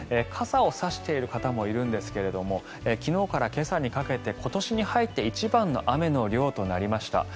傘を差している方もいるんですけれど昨日から今朝にかけて今年に入って一番の雨の量となりました。